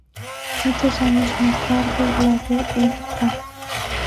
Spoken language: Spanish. Muchos años más tarde, la Dra.